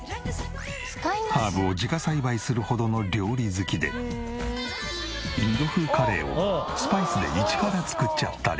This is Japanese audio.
ハーブを自家栽培するほどの料理好きでインド風カレーをスパイスで一から作っちゃったり。